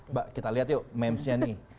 mbak kita lihat yuk memesnya nih